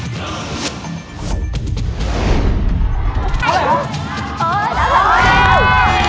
เท่าไรครับ